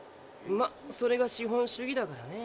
まあそれが資本主義だからね。